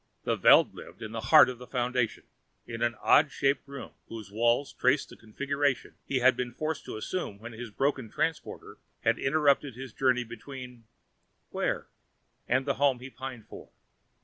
The Veld lived in the heart of the Foundation, in the odd shaped room whose walls traced the configuration he had been forced to assume when his broken transporter had interrupted his journey between where? and the home he pined for.